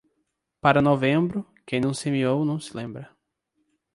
Para novembro, quem não semeou, não se lembra.